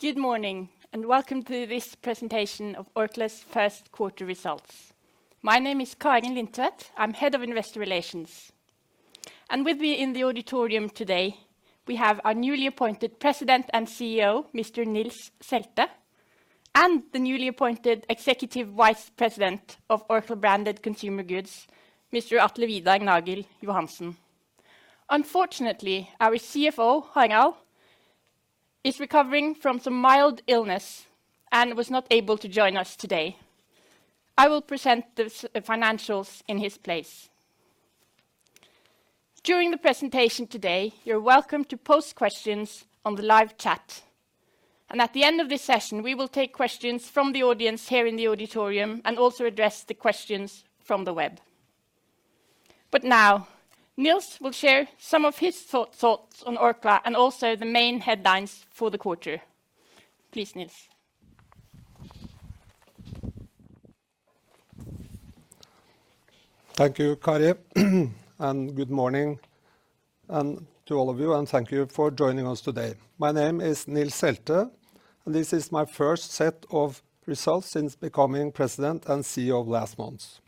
Good morning, and welcome to this presentation of Orkla's Q1 results. My name is Kari Lindtvedt. I'm Head of Investor Relations. With me in the auditorium today, we have our newly appointed President and CEO, Mr. Nils K. Selte, and the newly appointed Executive Vice President of Orkla Branded Consumer Goods, Mr. Atle Vidar Nagel Johansen. Unfortunately, our CFO, [Reglang, is recovering from some mild illness and was not able to join us today. I will present the financials in his place. During the presentation today, you're welcome to post questions on the live chat. At the end of this session, we will take questions from the audience here in the auditorium and also address the questions from the web. Now, Nils will share some of his thoughts on Orkla and also the main headlines for the quarter. Please, Nils. Thank you, Kari, and good morning, and to all of you, and thank you for joining us today. My name is Nils K. Selte, and this is my first set of results since becoming President and CEO last month.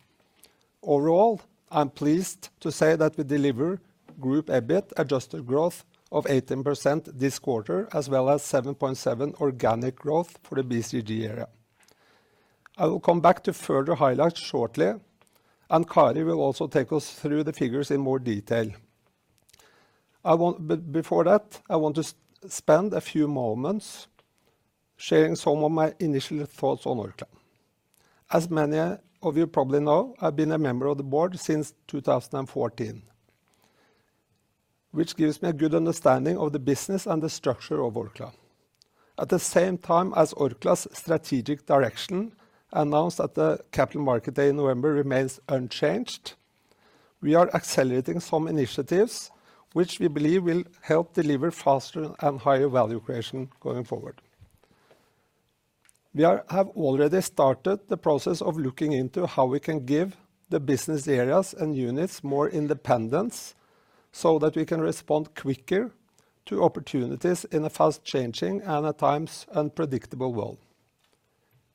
Overall, I'm pleased to say that we deliver group Adjusted EBIT growth of 18% this quarter, as well as 7.7% organic growth for the BCG area. I will come back to further highlight shortly, and Kari will also take us through the figures in more detail. Before that, I want to spend a few moments sharing some of my initial thoughts on Orkla. As many of you probably know, I've been a member of the board since 2014, which gives me a good understanding of the business and the structure of Orkla. At the same time as Orkla's strategic direction, announced at the Capital Markets Day in November, remains unchanged, we are accelerating some initiatives which we believe will help deliver faster and higher value creation going forward. We have already started the process of looking into how we can give the business areas and units more independence so that we can respond quicker to opportunities in a fast-changing and at times unpredictable world.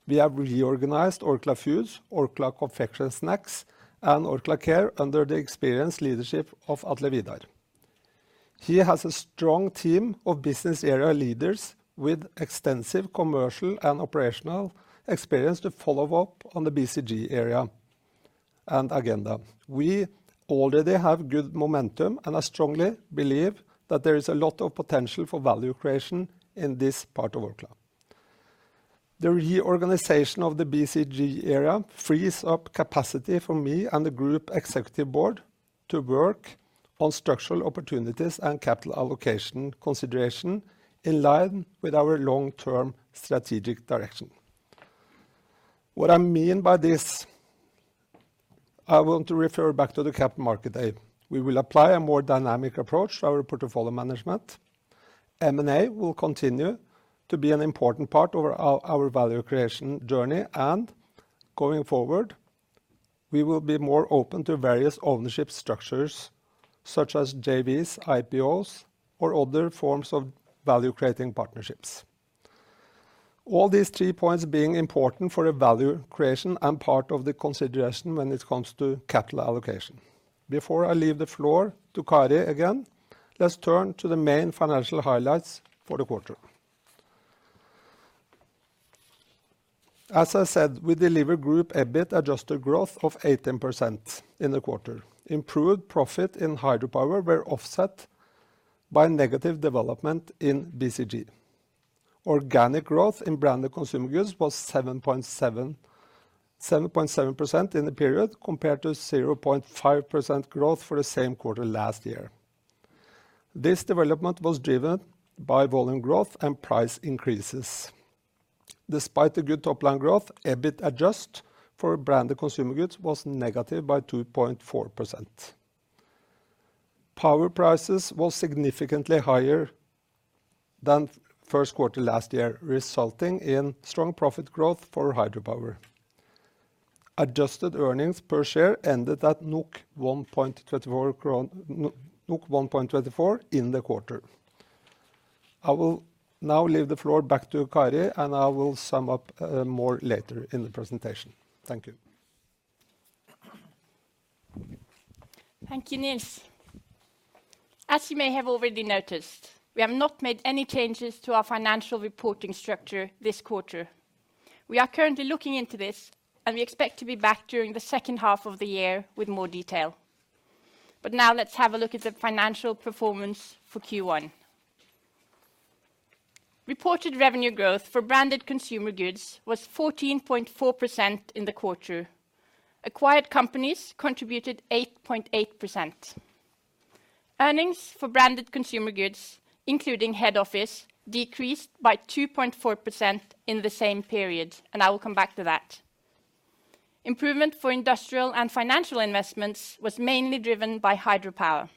We have reorganized Orkla Foods, Orkla Confectionery & Snacks, and Orkla Care under the experienced leadership of Atle Vidar. He has a strong team of business area leaders with extensive commercial and operational experience to follow up on the BCG area and agenda. We already have good momentum, and I strongly believe that there is a lot of potential for value creation in this part of Orkla. The reorganization of the BCG area frees up capacity for me and the group executive board to work on structural opportunities and capital allocation consideration in line with our long-term strategic direction. What I mean by this, I want to refer back to the Capital Markets Day. We will apply a more dynamic approach to our portfolio management. M&A will continue to be an important part of our value creation journey, and going forward, we will be more open to various ownership structures such as JVs, IPOs, or other forms of value-creating partnerships. All these three points being important for the value creation and part of the consideration when it comes to capital allocation. Before I leave the floor to Kari again, let's turn to the main financial highlights for the quarter. As I said, we deliver group EBIT adjusted growth of 18% in the quarter. Improved profit in hydropower were offset by negative development in BCG. Organic growth in branded consumer goods was 7.7% in the period, compared to 0.5% growth for the same quarter last year. This development was driven by volume growth and price increases. Despite the good top-line growth, Adjusted EBIT for branded consumer goods was negative by 2.4%. Power prices was significantly higher than Q1 last year, resulting in strong profit growth for hydropower. Adjusted earnings per share ended at 1.24 in the quarter. I will now leave the floor back to Kari, and I will sum up more later in the presentation. Thank you. Thank you, Nils. As you may have already noticed, we have not made any changes to our financial reporting structure this quarter. We are currently looking into this, and we expect to be back during the H2 of the year with more detail. Now let's have a look at the financial performance for Q1. Reported revenue growth for branded consumer goods was 14.4% in the quarter. Acquired companies contributed 8.8%. Earnings for branded consumer goods, including head office, decreased by 2.4% in the same period, and I will come back to that. Improvement for industrial and financial investments was mainly driven by hydropower.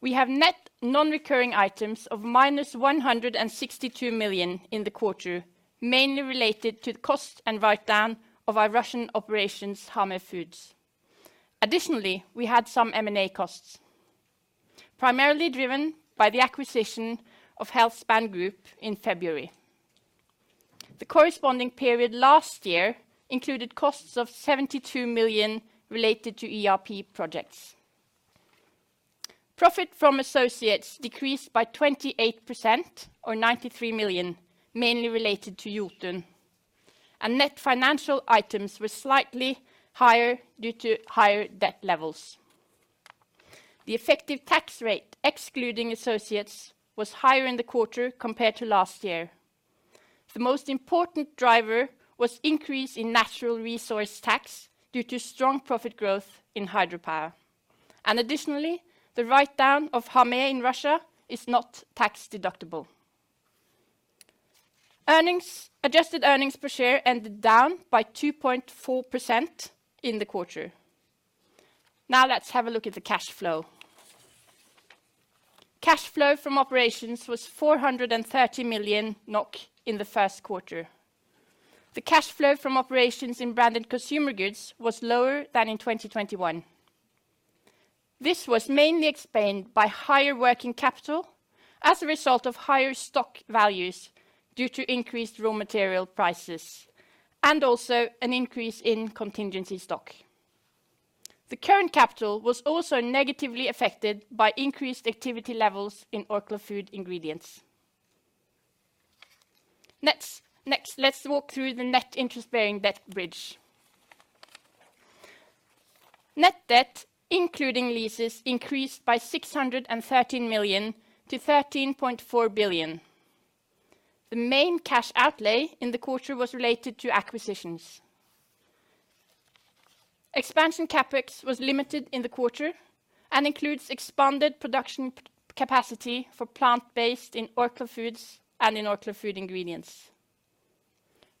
We have net non-recurring items of -162 million in the quarter, mainly related to the cost and write-down of our Russian operations, Hamé Foods. Additionally, we had some M&A costs, primarily driven by the acquisition of Healthspan Group in February. The corresponding period last year included costs of 72 million related to ERP projects. Profit from associates decreased by 28% or 93 million, mainly related to Jotun. Net financial items were slightly higher due to higher debt levels. The effective tax rate, excluding associates, was higher in the quarter compared to last year. The most important driver was increase in natural resource tax due to strong profit growth in hydropower. Additionally, the write-down of Hamé in Russia is not tax deductible. Adjusted earnings per share ended down by 2.4% in the quarter. Now let's have a look at the cash flow. Cash flow from operations was 430 million NOK in the Q1. The cash flow from operations in Branded Consumer Goods was lower than in 2021. This was mainly explained by higher working capital as a result of higher stock values due to increased raw material prices, and also an increase in contingency stock. The working capital was also negatively affected by increased activity levels in Orkla Food Ingredients. Next, let's walk through the net interest-bearing debt bridge. Net debt, including leases, increased by 613 million to 13.4 billion. The main cash outlay in the quarter was related to acquisitions. Expansion CapEx was limited in the quarter and includes expanded production capacity for plant-based in Orkla Foods and in Orkla Food Ingredients.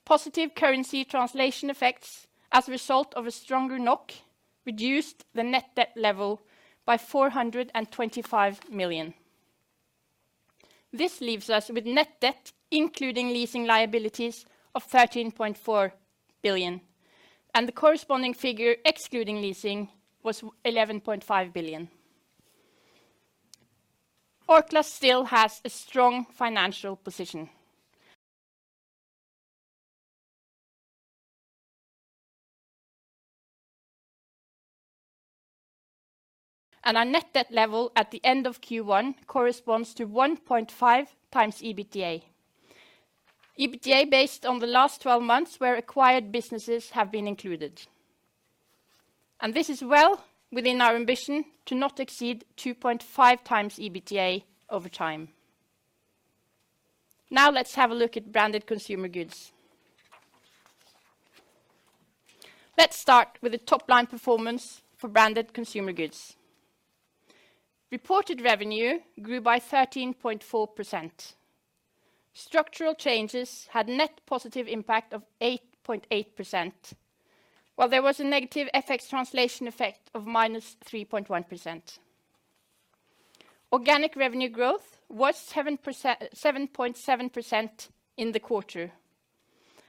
Positive currency translation effects as a result of a stronger NOK reduced the net debt level by 425 million. This leaves us with net debt, including leasing liabilities, of 13.4 billion, and the corresponding figure excluding leasing was 11.5 billion. Orkla still has a strong financial position. Our net debt level at the end of Q1 corresponds to 1.5 times EBITDA. EBITDA based on the last twelve months where acquired businesses have been included. This is well within our ambition to not exceed 2.5 times EBITDA over time. Now let's have a look at Branded Consumer Goods. Let's start with the top-line performance for Branded Consumer Goods. Reported revenue grew by 13.4%. Structural changes had net positive impact of 8.8%, while there was a negative FX translation effect of -3.1%. Organic revenue growth was 7.7% in the quarter,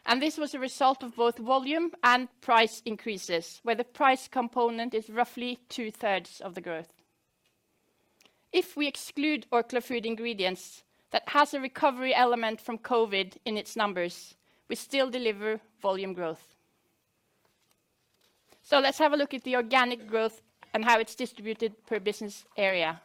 and this was a result of both volume and price increases, where the price component is roughly two-thirds of the growth. If we exclude Orkla Food Ingredients, that has a recovery element from COVID in its numbers, we still deliver volume growth. Let's have a look at the organic growth and how it's distributed per business area.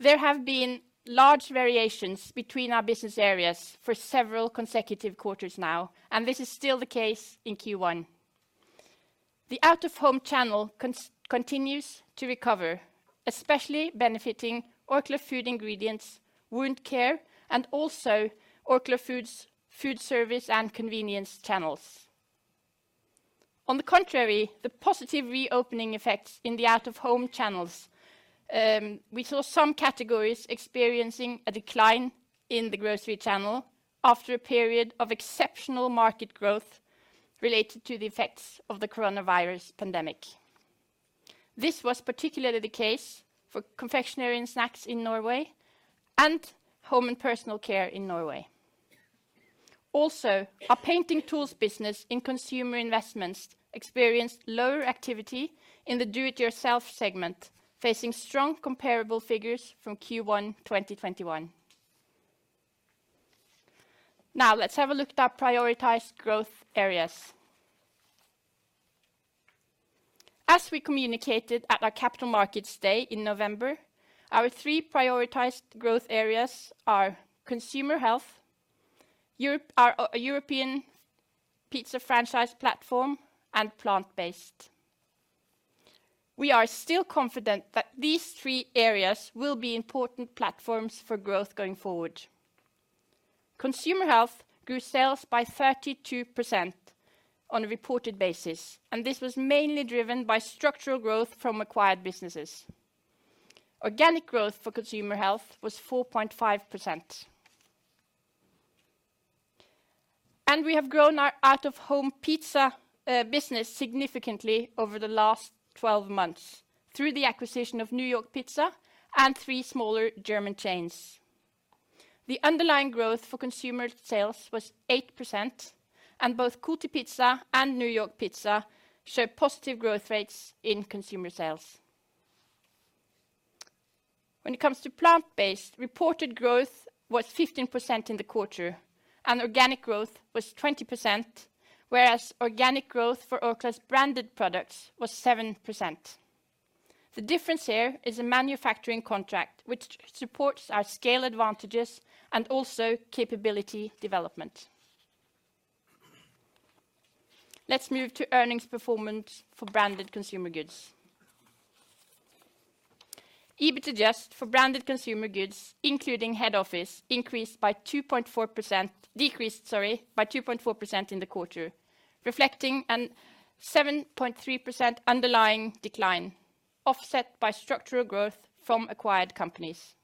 There have been large variations between our business areas for several consecutive quarters now, and this is still the case in Q1. The out-of-home channel continues to recover, especially benefiting Orkla Food Ingredients, Orkla Wound Care, and also Orkla Foods Foodservice and Convenience channels. On the contrary, the positive reopening effects in the out-of-home channels, we saw some categories experiencing a decline in the grocery channel after a period of exceptional market growth related to the effects of the coronavirus pandemic. This was particularly the case for confectionery and snacks in Norway and home and personal care in Norway. Also, our painting tools business in Consumer Investments experienced lower activity in the do-it-yourself segment, facing strong comparable figures from Q1 2021. Now let's have a look at our prioritized growth areas. As we communicated at our Capital Markets Day in November, our three prioritized growth areas are consumer health, our European pizza franchise platform, and plant-based. We are still confident that these three areas will be important platforms for growth going forward. Consumer health grew sales by 32% on a reported basis, and this was mainly driven by structural growth from acquired businesses. Organic growth for consumer health was 4.5%. We have grown our out-of-home pizza business significantly over the last 12 months through the acquisition of New York Pizza and three smaller German chains. The underlying growth for consumer sales was 8% and both Kotipizza and New York Pizza showed positive growth rates in consumer sales. When it comes to plant-based, reported growth was 15% in the quarter and organic growth was 20%, whereas organic growth for Orkla's branded products was 7%. The difference here is a manufacturing contract which supports our scale advantages and also capability development. Let's move to earnings performance for branded consumer goods. EBIT for branded consumer goods, including head office, decreased by 2.4% in the quarter, reflecting a 7.3% underlying decline offset by structural growth from acquired companies.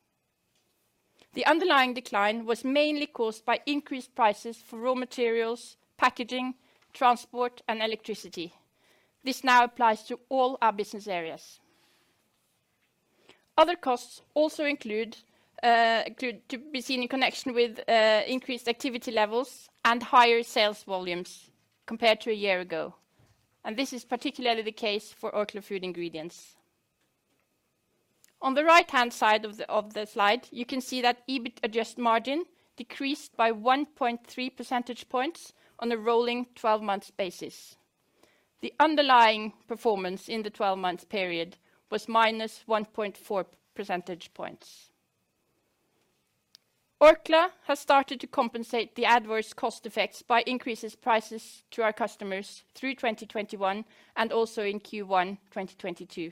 The underlying decline was mainly caused by increased prices for raw materials, packaging, transport, and electricity. This now applies to all our business areas. Other costs also include to be seen in connection with increased activity levels and higher sales volumes compared to a year ago. This is particularly the case for Orkla Food Ingredients. On the right-hand side of the slide, you can see that Adjusted EBIT margin decreased by 1.3 percentage points on a rolling twelve-month basis. The underlying performance in the twelve-month period was minus 1.4 percentage points. Orkla has started to compensate the adverse cost effects by increasing prices to our customers through 2021 and also in Q1 2022.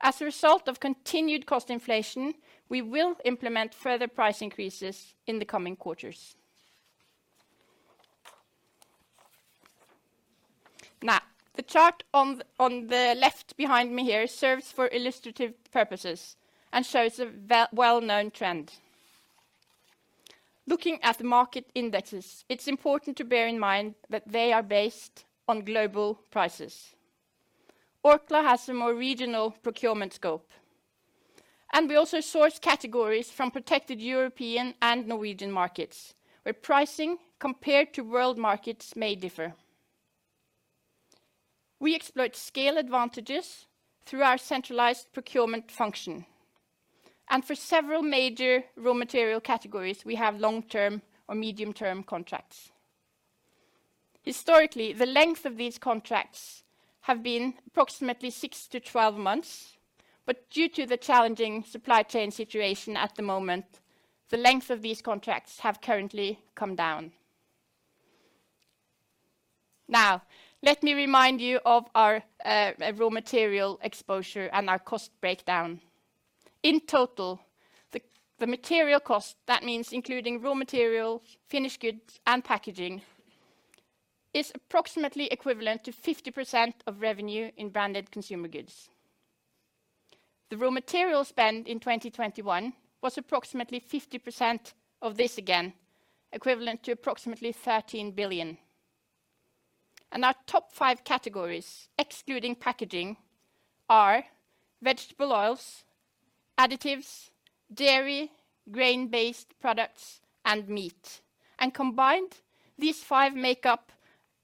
As a result of continued cost inflation, we will implement further price increases in the coming quarters. Now, the chart on the left behind me here serves for illustrative purposes and shows a well-known trend. Looking at the market indexes, it's important to bear in mind that they are based on global prices. Orkla has a more regional procurement scope, and we also source categories from protected European and Norwegian markets, where pricing compared to world markets may differ. We exploit scale advantages through our centralized procurement function, and for several major raw material categories, we have long-term or medium-term contracts. Historically, the length of these contracts have been approximately 6-12 months, but due to the challenging supply chain situation at the moment, the length of these contracts have currently come down. Now, let me remind you of our raw material exposure and our cost breakdown. In total, the material cost, that means including raw materials, finished goods, and packaging, is approximately equivalent to 50% of revenue in branded consumer goods. The raw material spend in 2021 was approximately 50% of this again, equivalent to approximately 13 billion. Our top five categories, excluding packaging, are vegetable oils, additives, dairy, grain-based products, and meat. Combined, these five make up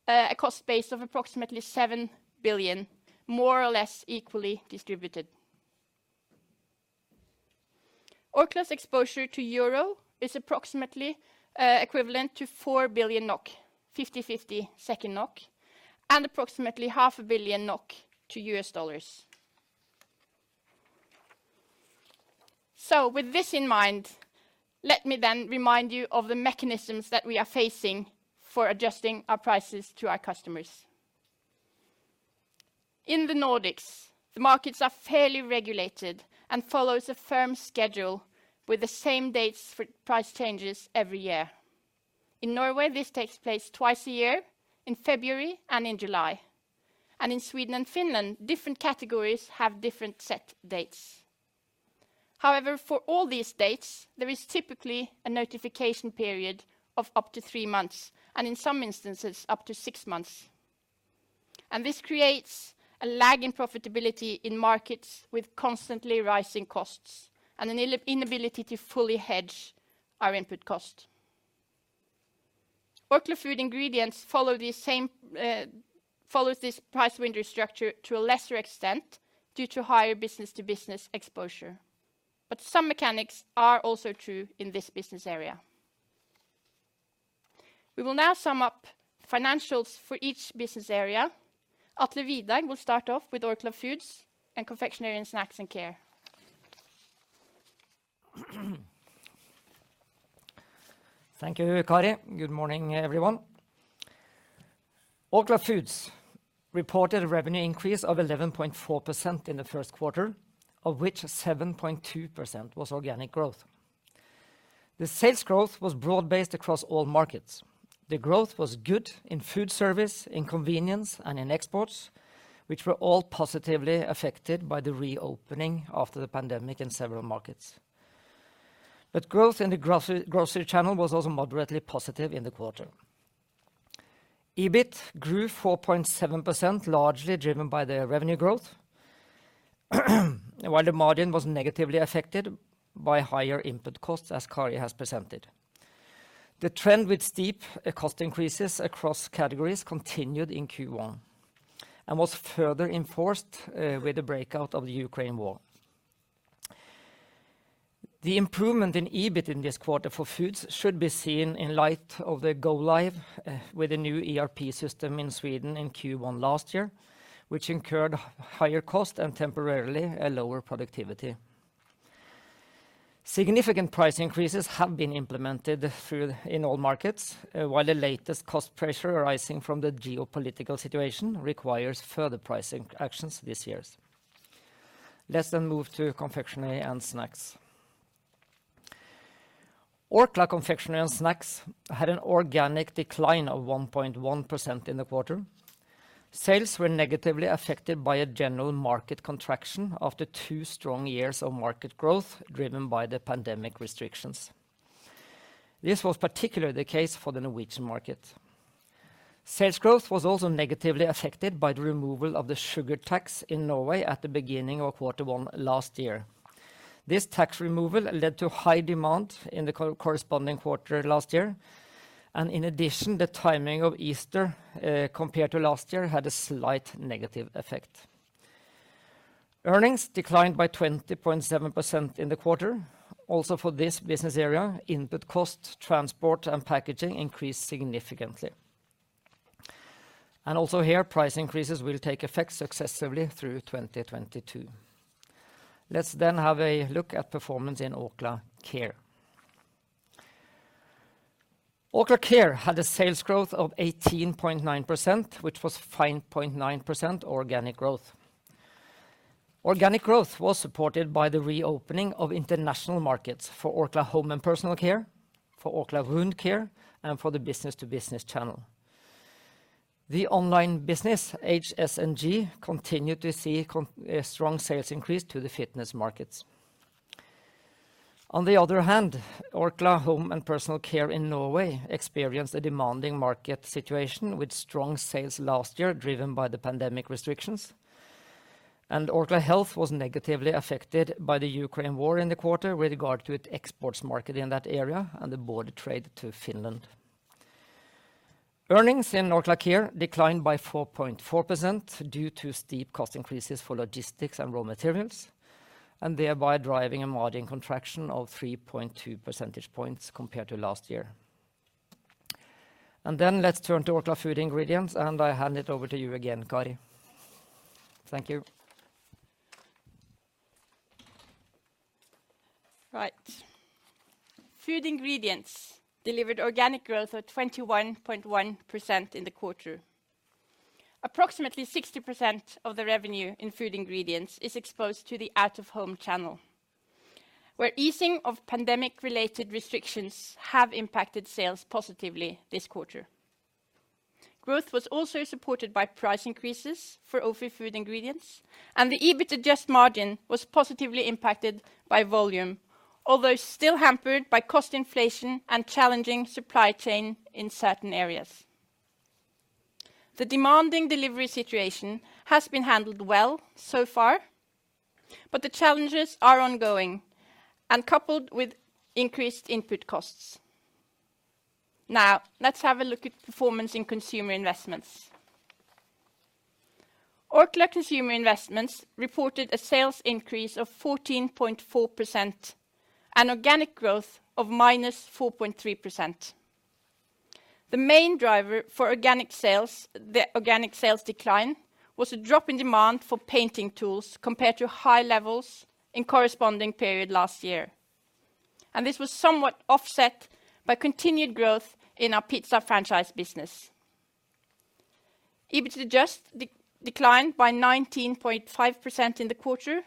a cost base of approximately 7 billion, more or less equally distributed. Orkla's exposure to euro is approximately equivalent to 4 billion NOK and approximately NOK half a billion to US dollars. With this in mind, let me then remind you of the mechanisms that we are facing for adjusting our prices to our customers. In the Nordics, the markets are fairly regulated and follows a firm schedule with the same dates for price changes every year. In Norway, this takes place twice a year, in February and in July. In Sweden and Finland, different categories have different set dates. However, for all these dates, there is typically a notification period of up to three months, and in some instances, up to six months. This creates a lag in profitability in markets with constantly rising costs and an inability to fully hedge our input cost. Orkla Food Ingredients follows this price window structure to a lesser extent due to higher business to business exposure. Some mechanics are also true in this business area. We will now sum up financials for each business area. Atle Vidar will start off with Orkla Foods and Confectionery & Snacks and Care. Thank you, Kari. Good morning, everyone. Orkla Foods reported revenue increase of 11.4% in the Q1, of which 7.2% was organic growth. The sales growth was broad-based across all markets. The growth was good in food service, in convenience, and in exports, which were all positively affected by the reopening after the pandemic in several markets. Growth in the grocery channel was also moderately positive in the quarter. EBIT grew 4.7%, largely driven by the revenue growth. While the margin was negatively affected by higher input costs, as Kari has presented. The trend with steep cost increases across categories continued in Q1, and was further intensified with the outbreak of the Ukraine war. The improvement in EBIT in this quarter for Foods should be seen in light of the go live with the new ERP system in Sweden in Q1 last year, which incurred higher cost and temporarily a lower productivity. Significant price increases have been implemented throughout all markets, while the latest cost pressure arising from the geopolitical situation requires further pricing actions this year. Let's move to Confectionery & Snacks. Orkla Confectionery & Snacks had an organic decline of 1.1% in the quarter. Sales were negatively affected by a general market contraction after two strong years of market growth driven by the pandemic restrictions. This was particularly the case for the Norwegian market. Sales growth was also negatively affected by the removal of the sugar tax in Norway at the beginning of quarter one last year. This tax removal led to high demand in the corresponding quarter last year, and in addition, the timing of Easter, compared to last year, had a slight negative effect. Earnings declined by 20.7% in the quarter. Also for this business area, input costs, transport and packaging increased significantly. Also here, price increases will take effect successively through 2022. Let's have a look at performance in Orkla Care. Orkla Care had a sales growth of 18.9%, which was 5.9% organic growth. Organic growth was supported by the reopening of international markets for Orkla Home and Personal Care, for Orkla Wound Care, and for the business-to-business channel. The online business, HSNG, continued to see a strong sales increase to the fitness markets. On the other hand, Orkla Home & Personal Care in Norway experienced a demanding market situation with strong sales last year driven by the pandemic restrictions. Orkla Health was negatively affected by the Ukraine war in the quarter with regard to its exports market in that area and the border trade to Finland. Earnings in Orkla Care declined by 4.4% due to steep cost increases for logistics and raw materials, and thereby driving a margin contraction of 3.2 percentage points compared to last year. Let's turn to Orkla Food Ingredients, and I hand it over to you again, Kari. Thank you. Right. Orkla Food Ingredients delivered organic growth of 21.1% in the quarter. Approximately 60% of the revenue in Orkla Food Ingredients is exposed to the out-of-home channel, where easing of pandemic-related restrictions have impacted sales positively this quarter. Growth was also supported by price increases for Orkla Food Ingredients, and the Adjusted EBIT margin was positively impacted by volume, although still hampered by cost inflation and challenging supply chain in certain areas. The demanding delivery situation has been handled well so far, but the challenges are ongoing and coupled with increased input costs. Now, let's have a look at performance in Orkla Consumer Investments. Orkla Consumer Investments reported a sales increase of 14.4% and organic growth of -4.3%. The main driver for organic sales, the organic sales decline, was a drop in demand for painting tools compared to high levels in corresponding period last year. This was somewhat offset by continued growth in our pizza franchise business. Adjusted EBIT declined by 19.5% in the quarter,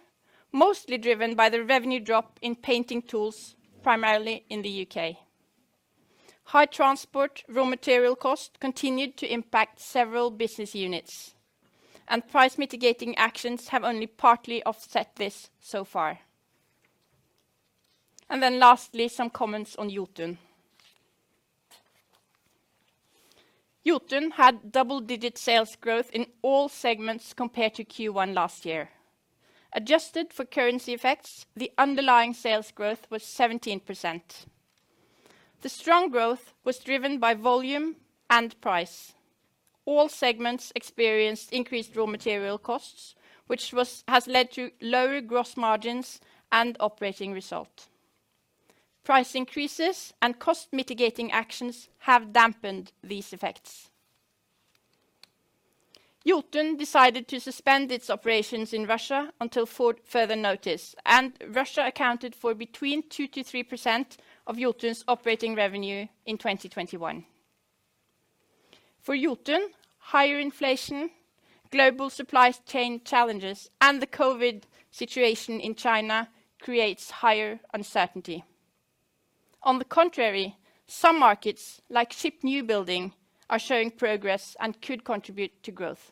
mostly driven by the revenue drop in painting tools, primarily in the U.K. High transport, raw material cost continued to impact several business units, and price mitigating actions have only partly offset this so far. Lastly, some comments on Jotun. Jotun had double-digit sales growth in all segments compared to Q1 last year. Adjusted for currency effects, the underlying sales growth was 17%. The strong growth was driven by volume and price. All segments experienced increased raw material costs, which has led to lower gross margins and operating result. Price increases and cost mitigating actions have dampened these effects. Jotun decided to suspend its operations in Russia until further notice, and Russia accounted for between 2%-3% of Jotun's operating revenue in 2021. For Jotun, higher inflation, global supply chain challenges, and the COVID situation in China creates higher uncertainty. On the contrary, some markets, like ship newbuilding, are showing progress and could contribute to growth.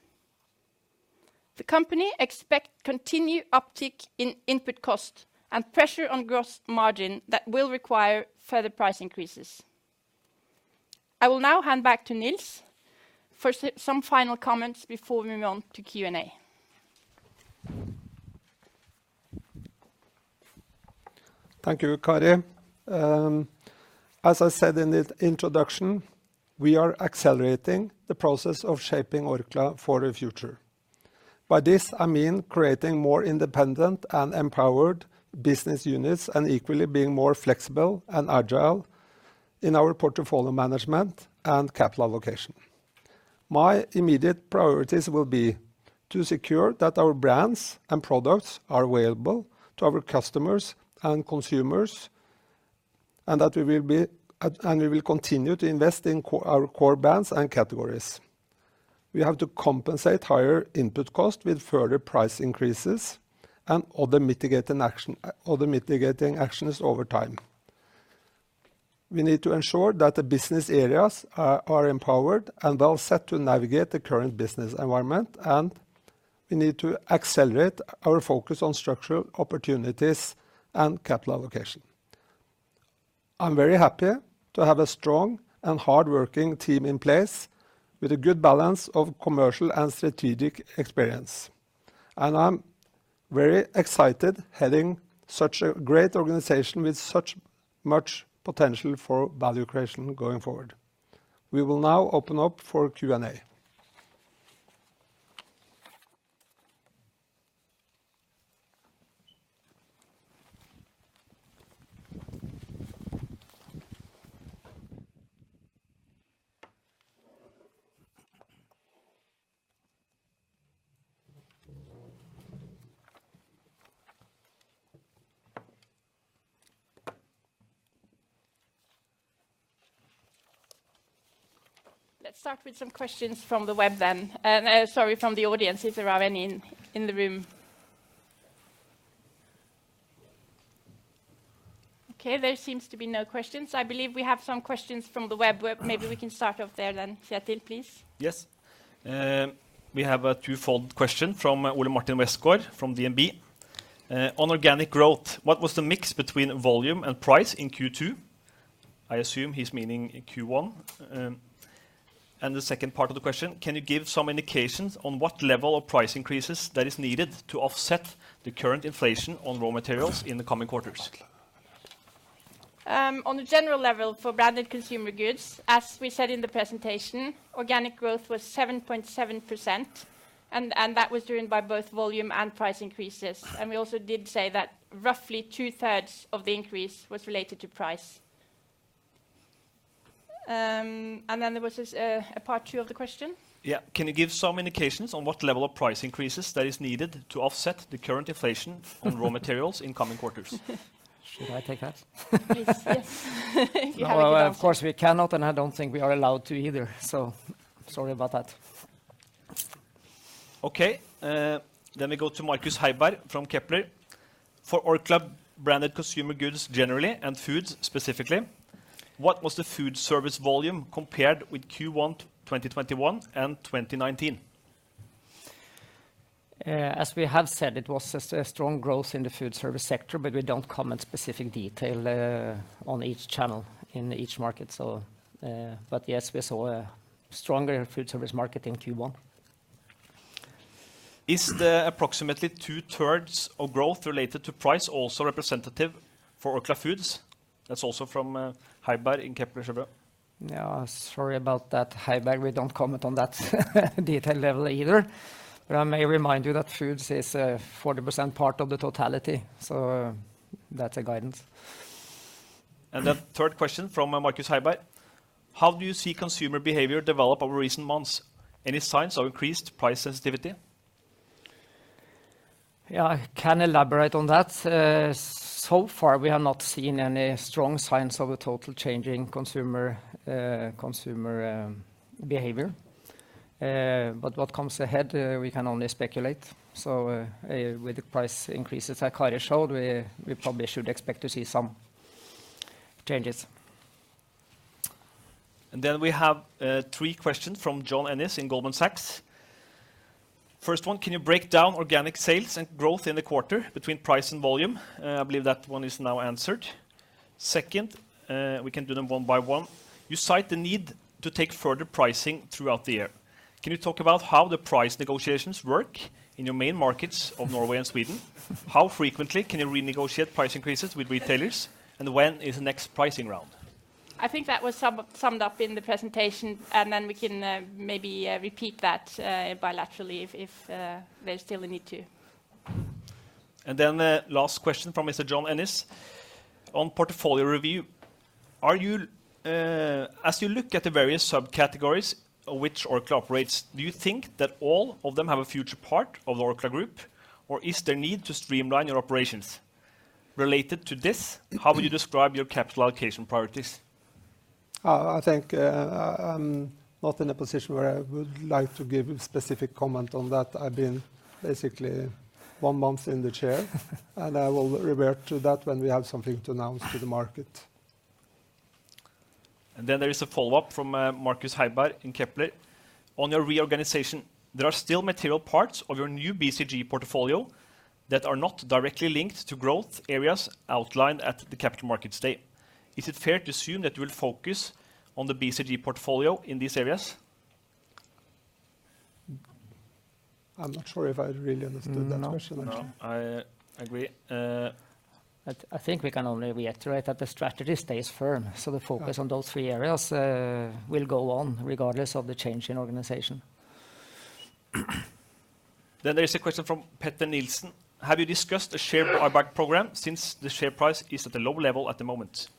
The company expect continued uptick in input cost and pressure on gross margin that will require further price increases. I will now hand back to Nils for some final comments before we move on to Q&A. Thank you, Kari. As I said in the introduction, we are accelerating the process of shaping Orkla for the future. By this, I mean creating more independent and empowered business units, and equally being more flexible and agile in our portfolio management and capital allocation. My immediate priorities will be to secure that our brands and products are available to our customers and consumers, and that we will continue to invest in our core brands and categories. We have to compensate higher input cost with further price increases and other mitigating actions over time. We need to ensure that the business areas are empowered and are set to navigate the current business environment, and we need to accelerate our focus on structural opportunities and capital allocation. I'm very happy to have a strong and hardworking team in place with a good balance of commercial and strategic experience. I'm very excited heading such a great organization with so much potential for value creation going forward. We will now open up for Q&A. Let's start with some questions from the web then. Sorry, from the audience, if there are any in the room. Okay, there seems to be no questions. I believe we have some questions from the web. Maybe we can start off there then. Kjetil, please. Yes. We have a twofold question from Ole-Martin Westgaard from DNB. On organic growth, what was the mix between volume and price in Q2? I assume he's meaning in Q1. The second part of the question, can you give some indications on what level of price increases that is needed to offset the current inflation on raw materials in the coming quarters? On a general level, for Branded Consumer Goods, as we said in the presentation, organic growth was 7.7%, and that was driven by both volume and price increases. We also did say that roughly two-thirds of the increase was related to price. There was a part two of the question. Yeah. Can you give some indications on what level of price increases that is needed to offset the current inflation on raw materials in coming quarters? Should I take that? Please, yes. No, of course we cannot, and I don't think we are allowed to either, so sorry about that. We go to Markus Heiberg from Kepler. For Orkla Branded Consumer Goods generally, and Foods specifically, what was the food service volume compared with Q1 to 2021 and 2019? As we have said, it was a strong growth in the food service sector, but we don't comment specific detail on each channel in each market. Yes, we saw a stronger food service market in Q1. Is the approximately two-thirds of growth related to price also representative for Orkla Foods? That's also from Markus Heiberg in Kepler Cheuvreux. Yeah. Sorry about that, Heiberg, we don't comment on that detail level either. I may remind you that Foods is 40% part of the totality, so that's a guidance. The third question from Markus Heiberg, how do you see consumer behavior develop over recent months? Any signs of increased price sensitivity? Yeah, I can elaborate on that. So far, we have not seen any strong signs of a total change in consumer behavior. What comes ahead, we can only speculate. With the price increases that Kari showed, we probably should expect to see some changes. We have three questions from John Ennis in Goldman Sachs. First one, can you break down organic sales and growth in the quarter between price and volume? I believe that one is now answered. Second, we can do them one by one. You cite the need to take further pricing throughout the year. Can you talk about how the price negotiations work in your main markets of Norway and Sweden? How frequently can you renegotiate price increases with retailers, and when is the next pricing round? I think that was summed up in the presentation, and then we can maybe repeat that bilaterally if there's still a need to. Then the last question from Mr. John Ennis. On portfolio review, are you, as you look at the various subcategories of which Orkla operates, do you think that all of them have a future part of the Orkla group, or is there need to streamline your operations? Related to this, how will you describe your capital allocation priorities? I think, I'm not in a position where I would like to give a specific comment on that. I've been basically one month in the chair. I will revert to that when we have something to announce to the market. There is a follow-up from Markus Heiberg in Kepler. On your reorganization, there are still material parts of your new BCG portfolio that are not directly linked to growth areas outlined at the Capital Markets Day. Is it fair to assume that you will focus on the BCG portfolio in these areas? I'm not sure if I really understood that question. No. No. I agree. I think we can only reiterate that the strategy stays firm, so the focus on those three areas will go on regardless of the change in organization. there is a question from Petter Nielsen: Have you discussed a share buyback program since the share price is at a low level at the moment?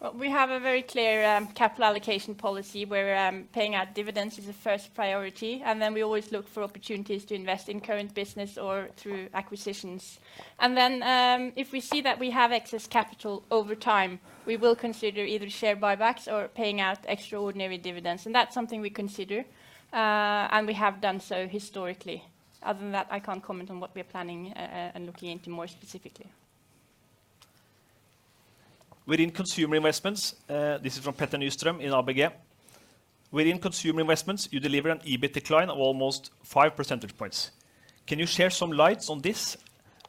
Well, we have a very clear capital allocation policy where paying out dividends is the first priority, and then we always look for opportunities to invest in current business or through acquisitions. If we see that we have excess capital over time, we will consider either share buybacks or paying out extraordinary dividends, and that's something we consider, and we have done so historically. Other than that, I can't comment on what we're planning and looking into more specifically. This is from Petter Nyström in ABG. Within Consumer Investments, you deliver an EBIT decline of almost five percentage points. Can you shed some light on this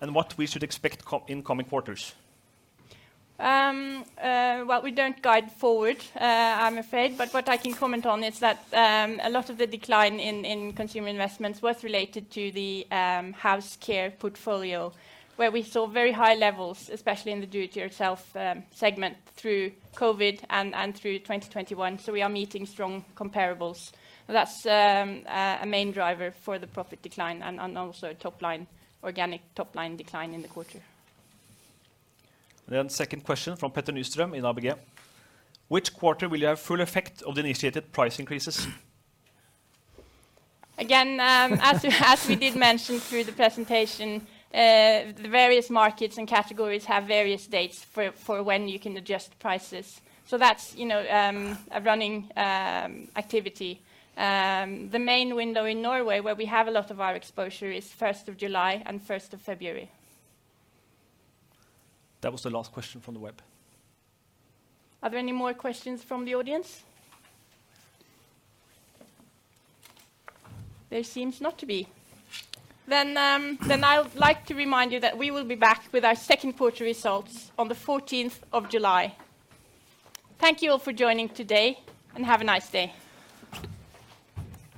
and what we should expect in coming quarters? Well, we don't guide forward, I'm afraid. What I can comment on is that a lot of the decline in Consumer Investments was related to the Orkla House Care, where we saw very high levels, especially in the do-it-yourself segment through COVID and through 2021, so we are meeting strong comparables. That's a main driver for the profit decline and also top line, organic top-line decline in the quarter. Second question from Petter Nyström in ABG: Which quarter will you have full effect of the initiated price increases? Again, as we did mention through the presentation, the various markets and categories have various dates for when you can adjust prices. That's, you know, a running activity. The main window in Norway where we have a lot of our exposure is 1st of July and 1st of February. That was the last question from the web. Are there any more questions from the audience? There seems not to be. I would like to remind you that we will be back with our Q2 results on the 14th of July. Thank you all for joining today, and have a nice day.